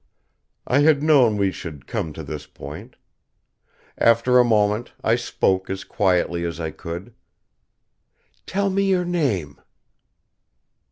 I had known we should come to this point. After a moment, I spoke as quietly as I could: "Tell me your name."